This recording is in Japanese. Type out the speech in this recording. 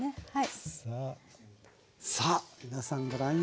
はい。